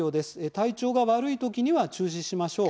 体調が悪い時には中止しましょう。